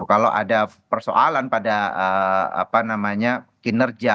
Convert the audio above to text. kalau ada persoalan pada apa namanya kinerja